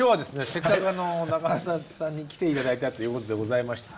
せっかく中澤さんに来て頂いたということでございまして